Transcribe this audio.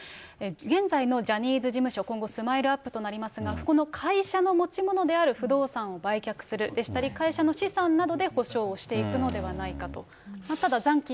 現在のジャニーズ事務所、今後、スマイルアップとなりますが、この会社の持ち物である不動産を売却するでしたり、会社の資産などで補償をしていくのではないかと。